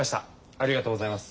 ありがとうございます。